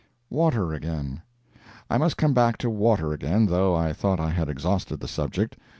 WATER AGAIN I must come back to water again, though I thought I had exhausted the subject.